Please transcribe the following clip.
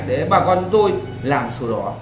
để bà con chúng tôi làm sổ đỏ